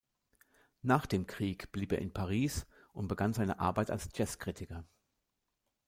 Nach dem Krieg blieb er in Paris und begann seine Arbeit als Jazzkritiker.